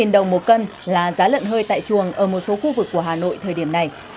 sáu mươi năm đồng một cân là giá lợn hơi tại chuồng ở một số khu vực của hà nội thời điểm này